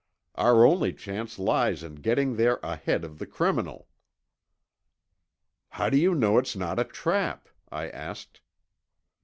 Our only chance lies in getting there ahead of the criminal." "How do you know it's not a trap?" I asked.